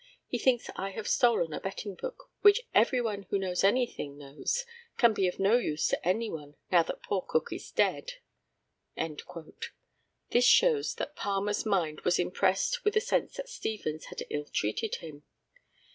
He thinks I have stolen a betting book, which everyone who knows anything knows can be of no use to anyone now that poor Cook is dead." This shows that Palmer's mind was impressed with a sense that Stevens had illtreated him.